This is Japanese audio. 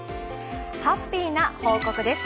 ハッピーな報告です。